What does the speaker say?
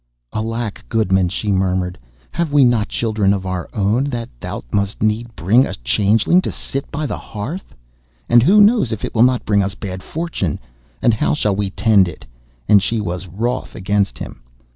'Alack, goodman!' she murmured, 'have we not children of our own, that thou must needs bring a changeling to sit by the hearth? And who knows if it will not bring us bad fortune? And how shall we tend it?' And she was wroth against him.